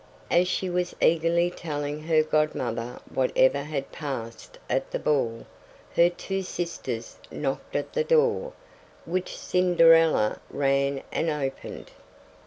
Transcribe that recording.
As she was eagerly telling her godmother whatever had passed at the ball, her two sisters knocked at the door, which Cinderella ran and opened.